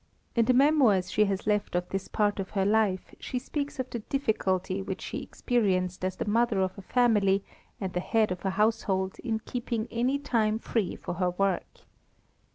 In the memoirs she has left of this part of her life, she speaks of the difficulty which she experienced as the mother of a family and the head of a household in keeping any time free for her work.